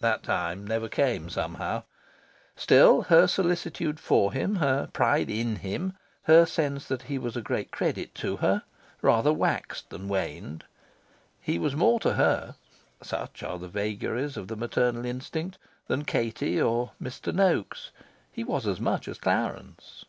That time never came, somehow. Still, her solicitude for him, her pride in him, her sense that he was a great credit to her, rather waxed than waned. He was more to her (such are the vagaries of the maternal instinct) than Katie or Mr. Noaks: he was as much as Clarence.